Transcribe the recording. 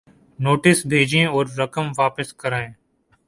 Notices بھیجیں اور رقوم واپس کرائیں۔